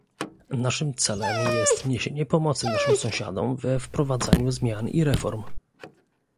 Naszym celem jest niesienie pomocy naszym sąsiadom we wprowadzaniu zmian i reform